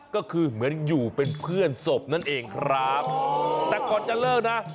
ก็คือเหมือนอยู่เป็นเพื่อนศพนั่นเองครับแต่ก่อนจะเลิกนะ